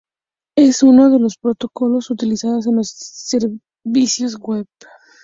Es uno de los protocolos utilizados en los servicios Web.